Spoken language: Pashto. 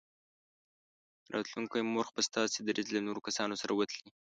راتلونکی مورخ به ستاسې دریځ له نورو کسانو سره وتلي.